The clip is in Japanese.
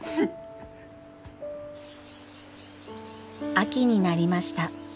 秋になりました。